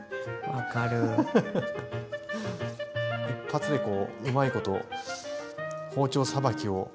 一発でこううまいこと包丁さばきを。